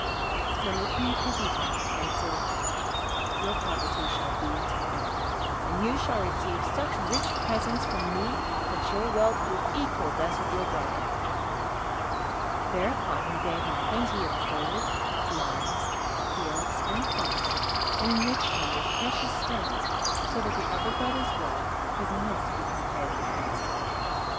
Then the King pitied him and said: 'Your poverty shall be at an end, and you shall receive such rich presents from me that your wealth will equal that of your Brother.' Thereupon he gave him plenty of gold, lands, fields, and flocks, and enriched him with precious stones, so that the other Brother's wealth could not be compared with his.